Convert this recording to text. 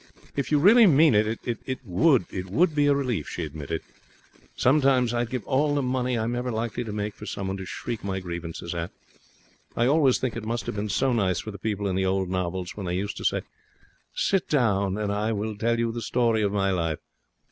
'If you really mean it, it would be a relief,' she admitted. 'Sometimes I'd give all the money I'm ever likely to make for someone to shriek my grievances at. I always think it must have been so nice for the people in the old novels, when they used to say: "Sit down and I will tell you the story of my life."